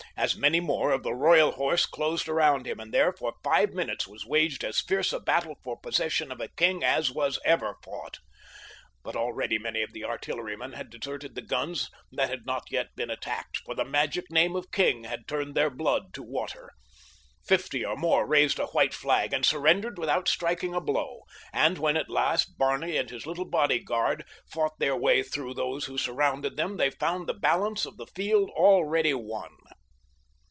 As many more of the Royal Horse closed around him, and there, for five minutes, was waged as fierce a battle for possession of a king as was ever fought. But already many of the artillerymen had deserted the guns that had not yet been attacked, for the magic name of king had turned their blood to water. Fifty or more raised a white flag and surrendered without striking a blow, and when, at last, Barney and his little bodyguard fought their way through those who surrounded them they found the balance of the field already won.